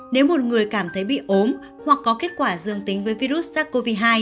nếu một người cảm thấy bị ốm hoặc có kết quả dương tính với virus sars cov hai